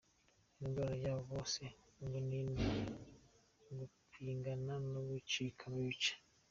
Indwara yabo bose ngo ni imwe: Gupingana no gucikamo ibice